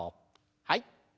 はい。